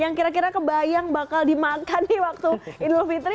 yang kira kira kebayang bakal dimakan di waktu idul fitri